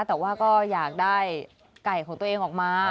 แต่ว่าก็อยากได้ไก่ของตัวเองออกมา